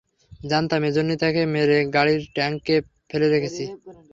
জানতাম, এজন্যই তাকে মেরে গাড়ির ট্যাঙ্কে ফেলে রেখেছি।